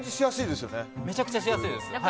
めちゃくちゃしやすいです。